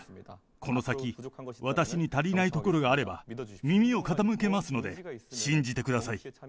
この先、私に足りないところがあれば、耳を傾けますので、信じてください。